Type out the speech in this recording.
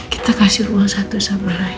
kita kasih ruang satu sama lain